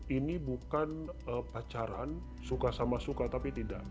ini bukan pacaran suka sama suka tapi tidak